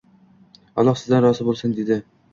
Alloh sizdan rozi bo'lsin, — dedi.